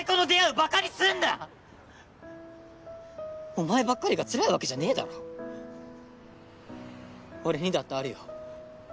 お前ばっかりがつらいわけじゃねぇだろ俺にだってあるよ